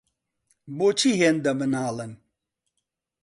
بۆچی هێندە مناڵن؟